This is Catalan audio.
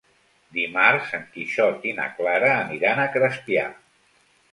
Dimarts en Quixot i na Clara aniran a Crespià.